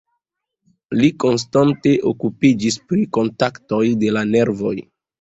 Li konstante okupiĝis pri kontaktoj de la nervoj.